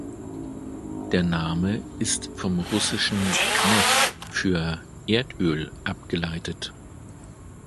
Der Name ist vom russischen "neft" für "Erdöl" abgeleitet.